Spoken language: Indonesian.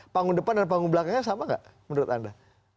panggung depan dan panggung belakangnya sama nggak menurut anda